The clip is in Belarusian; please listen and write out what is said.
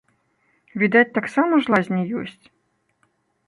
Відаць, таксама ж лазні ёсць?